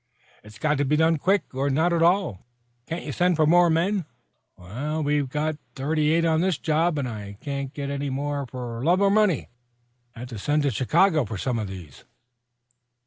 "It's got to be done quick or not at all. Can't you send for more men?" "We've got thirty eight on this job, and can't get any more for love or money. Had to send to Chicago for some of these."